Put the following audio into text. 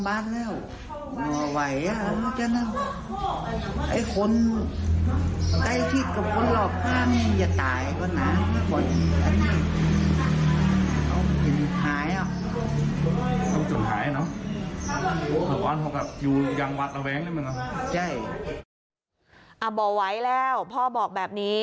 บ่อไหวแล้วพ่อบอกแบบนี้